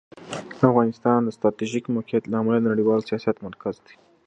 افغانستان د ستراتیژیک موقعیت له امله د نړیوال سیاست مرکز دی.